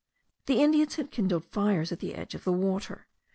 The Indians had kindled fires at the edge of the water.